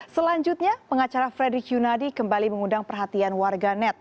selanjutnya pengacara fredrik yunadi kembali mengundang perhatian warga net